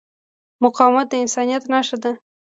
مقاومت د انسانیت نښه ده.